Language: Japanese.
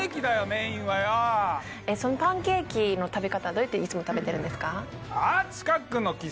メインはよそのパンケーキの食べ方はどうやっていつも食べてるんですか？